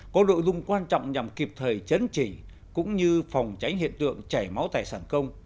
có nội dung quan trọng nhằm kịp thời chấn chỉnh cũng như phòng tránh hiện tượng chảy máu tài sản công